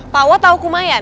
pak wo tahu kumayan